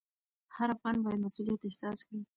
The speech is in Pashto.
هر افغان باید مسوولیت احساس کړي.